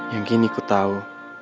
yang kini ku tahu